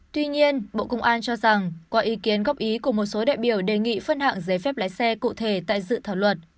tuy nhiên bộ công an cho rằng qua ý kiến góp ý của một số đại biểu đề nghị phân hạng giấy phép lái xe cụ thể tại dự thảo luật